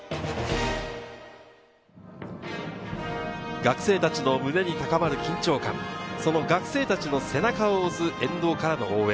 学生たちの胸に高まる緊張感、その学生たちの背中を押す沿道からの応援。